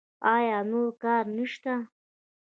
ایا نور کار نشته؟